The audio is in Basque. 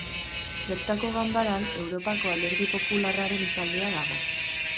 Bertako ganbaran, Europako Alderdi Popularraren taldean dago.